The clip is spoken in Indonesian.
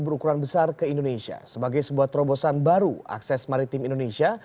berukuran besar ke indonesia sebagai sebuah terobosan baru akses maritim indonesia